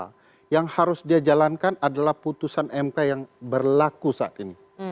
karena yang harus dia jalankan adalah putusan mk yang berlaku saat ini